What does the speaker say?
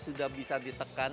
sudah bisa ditekan